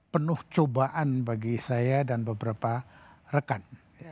penuh cobaan bagi saya dan beberapa rekan